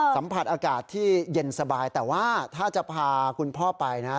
สัมผัสอากาศที่เย็นสบายแต่ว่าถ้าจะพาคุณพ่อไปนะ